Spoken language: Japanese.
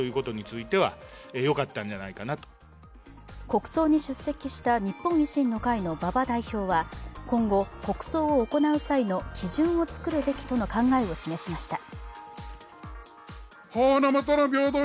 国葬に出席した日本維新の会の馬場代表は今後、国葬を行う際の基準を作るべきとの考えを示しました。